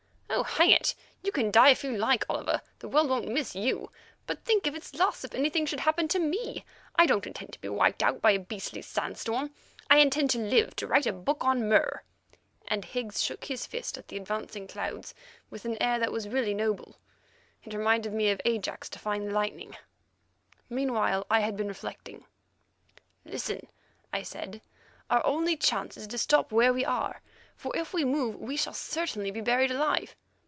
"Oh, hang it! You can die if you like, Oliver. The world won't miss you; but think of its loss if anything happened to me. I don't intend to be wiped out by a beastly sand storm. I intend to live to write a book on Mur," and Higgs shook his fist at the advancing clouds with an air that was really noble. It reminded me of Ajax defying the lightning. Meanwhile I had been reflecting. "Listen," I said. "Our only chance is to stop where we are, for if we move we shall certainly be buried alive.